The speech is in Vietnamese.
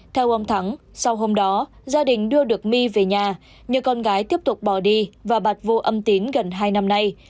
theo ông thắng sau hôm đó gia đình đưa được my về nhà nhiều con gái tiếp tục bỏ đi và bạt vô âm tín gần hai năm nay